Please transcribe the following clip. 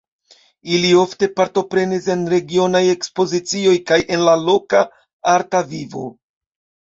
Ili ofte partoprenis en regionaj ekspozicioj kaj en la loka arta vivo.